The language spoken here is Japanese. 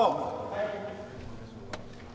はい。